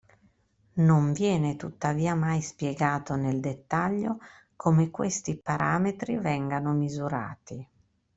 Non viene tuttavia mai spiegato nel dettaglio come questi parametri vengano misurati.